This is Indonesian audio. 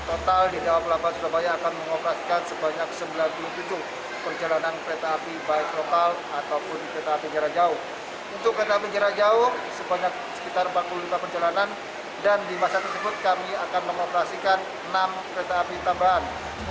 untuk kereta api jarak jauh sebanyak sekitar empat puluh lima perjalanan dan di masa tersebut kami akan mengoperasikan enam kereta api tambahan